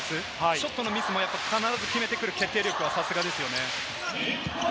ショットのミスも必ず決めてくる徹底力、さすがですね。